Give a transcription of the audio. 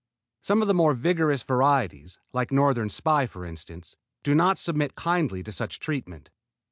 Some of the more vigorous varieties, like Northern Spy for instance, do not submit kindly to such treatment.